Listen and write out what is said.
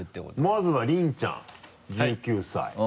まずは凜ちゃん１９歳。